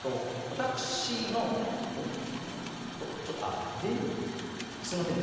私のちょっとすいませんね